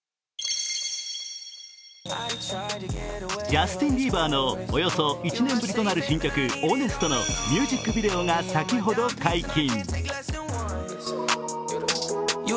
ジャスティン・ビーバーのおよそ１年ぶりとなる新曲「Ｈｏｎｅｓｔ」のミュージックビデオが先ほど解禁。